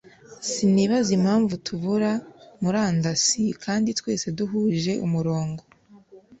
sinibaza impamvu tubura murandasi kandi twese duhuje umurongo